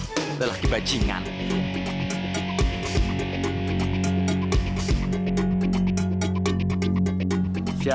sayang yakin kamu specialisasisect ya